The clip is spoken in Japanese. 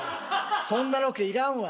そんなロケいらんわ！